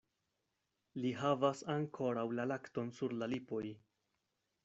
Li havas ankoraŭ la lakton sur la lipoj.